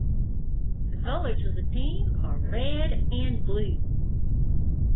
The colours of the team are red and blue.